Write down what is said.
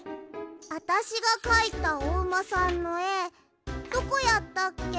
あたしがかいたおうまさんのえどこやったっけ？